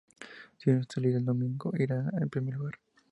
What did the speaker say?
Si no se utiliza, el domingo irá en primer lugar.